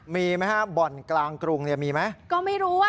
มีไหมฮะบ่อนกลางกรุงเนี่ยมีไหมก็ไม่รู้อ่ะ